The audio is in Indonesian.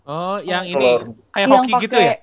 oh yang ini kayak hoki gitu ya